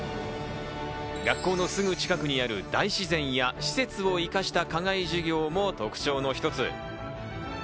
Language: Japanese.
学校のすぐ近くには大自然や施設を生かした課外授業も特徴の一つ。